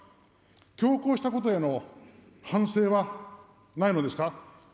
強行したことへの反省はないのですか。